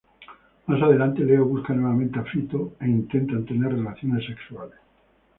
Más adelante, Leo busca nuevamente a Fito e intentan tener relaciones sexuales.